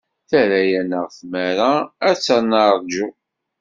Terra-aneɣ tmara ad tt-neṛju?